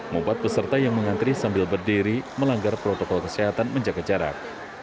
membuat peserta yang mengantri sambil berdiri melanggar protokol kesehatan menjaga jarak